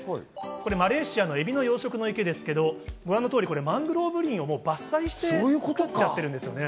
マレーシアのエビの養殖の池ですけれども、ご覧のようにマングローブ林を伐採して食っちゃってるんです。